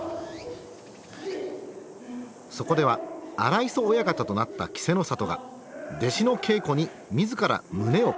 そこでは荒磯親方となった稀勢の里が弟子の稽古に自ら胸を貸していた。